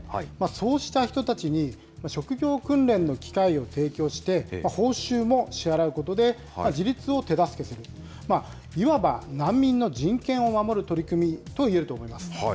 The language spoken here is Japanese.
そうした人たちに、職業訓練の機会を提供して、報酬も支払うことで、自立を手助けする、いわば難民の人権を守る取り組みと言えると思います。